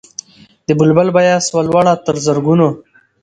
د بلبل بیه سوه لوړه تر زرګونو